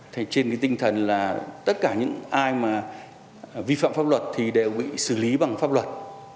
thì trên cái tinh thần là tất cả những ai mà vi phạm pháp luật thì đều bị xử lý bằng pháp luật